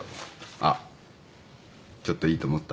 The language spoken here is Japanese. あっちょっといいと思った？